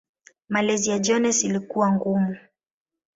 Malezi ya Jones ilikuwa ngumu.